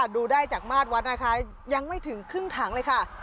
ดูได้จากมาตรวัดนะคะยังไม่ถึงครึ่งถังเลยค่ะ